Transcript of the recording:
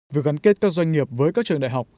việc gắn kết các doanh nghiệp với các trường đại học